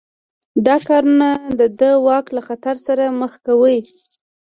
دا کارونه د ده واک له خطر سره مخ کاوه.